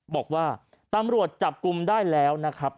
บอกว่าตำรวจจับกลุ่มได้แล้วนะครับ